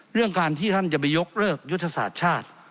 เรื่องการที่ท่านจะไปยกเลิกยุทธศาสตร์ชาติ